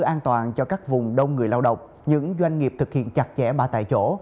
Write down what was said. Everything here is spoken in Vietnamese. an toàn cho các vùng đông người lao động những doanh nghiệp thực hiện chặt chẽ ba tại chỗ